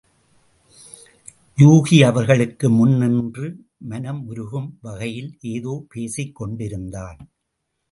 யூகி அவர்களுக்கு முன் நின்று மனம் உருகும் வகையில் ஏதோ பேசிக் கொண்டிருந்தான்.